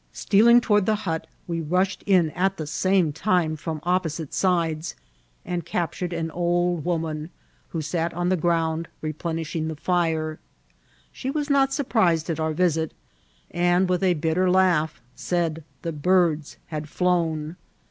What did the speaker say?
Stealing toward •the hut, we rushed in at the same time firom the <^po site sides, and captured an old woman, who sat on the ground replenishing the fire. She was not surprised at our visit, and, with a bitter laugh, said the birds had flown.